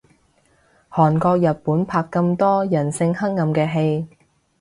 韓國日本拍咁多人性黑暗嘅戲